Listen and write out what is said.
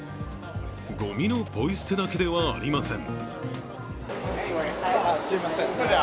ごみのポイ捨てだけではありません。